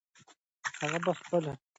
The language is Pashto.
هغه به خپله منډې راوهي.